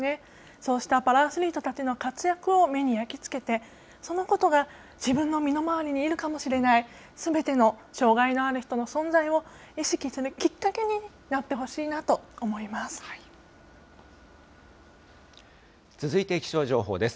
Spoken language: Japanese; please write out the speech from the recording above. そうしたパラアスリートたちの活躍を目に焼き付けて、そのことが自分の身の回りにいるかもしれないすべての障害のある人の存在を意識するきっかけになってほしいなと思います。